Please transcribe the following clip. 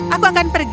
aku akan pergi